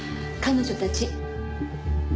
彼女たち。